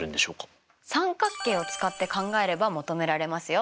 三角形を使って考えれば求められますよ。